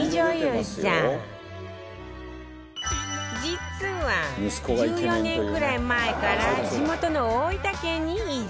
実は１４年くらい前から地元の大分県に移住